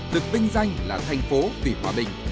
được vinh danh là thành phố vì hòa bình